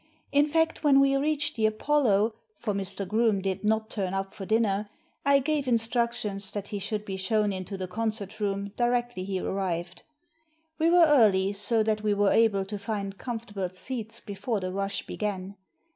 In fact, when we reached the Apollo — for Mr. Groome did not turn up for dinner — I gave instructions that he should be shown into the concert room directly he arrived. We were early, so that we were able to find comfort able seats before the rush began.